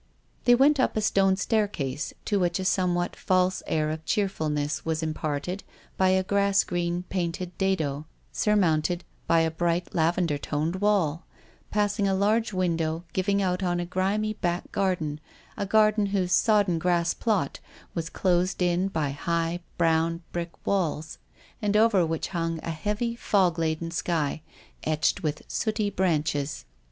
They went up a stone staircase, to which a somewhat false air of cheerfulness was im parted by a grass green painted dado, sur mounted by a bright lavender toned wall, passing a large window giving on a grimy back garden, a garden whose sodden grass plot was closed in by high brown brick walls, and over which hung a heavy, fog laden sky, etched with sooty branches.